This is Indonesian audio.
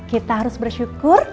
kita harus bersyukur